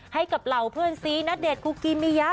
ให้กับเหล่าเพื่อนซีณเดชนคุกิมิยะ